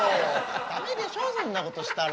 ダメでしょそんなことしたら。